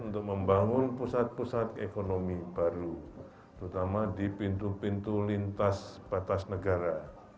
untuk membangun pusat pusat ekonomi baru terutama di pintu pintu lintas batas negara